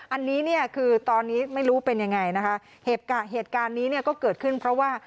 อันนี้เนี่ยคือตอนนี้ไม่รู้เป็นยังไงนะคะเหตุการณ์เหตุการณ์นี้เนี่ยก็เกิดขึ้นเพราะว่า